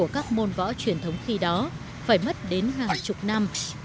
các môn võ truyền thống khi đó phải mất đến hàng chục năm